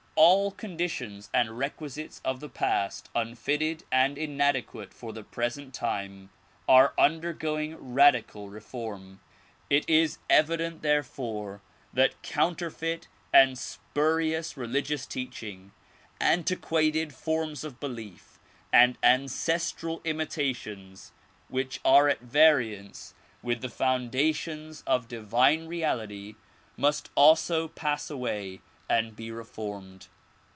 All conditions and requisites of the past unfitted and inadequate for the present time, are undergoing radical reform. It is evident there fore that counterfeit and spurious religious teaching, antiquated forms of belief and ancestral imitations which are at variance with 136 THE PROMULGATION OF UNIVERSAL PEACE the foundations of divine reality must also pass away and be re formed.